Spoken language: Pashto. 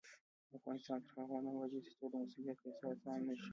افغانستان تر هغو نه ابادیږي، ترڅو د مسؤلیت احساس عام نشي.